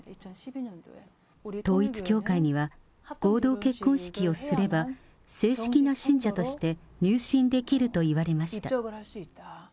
統一教会には、合同結婚式をすれば、正式な信者として入信できると言われました。